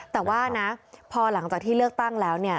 แต่ว่านะพอหลังจากที่เลือกตั้งแล้วเนี่ย